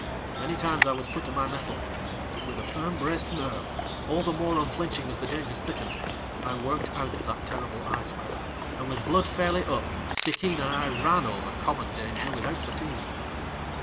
Many times I was put to my mettle, but with a firm braced nerve, all the more unflinching as the dangers thickened, I worked out of that terrible ice web, and with blood fairly up Stickeen and I ran over common danger without fatigue.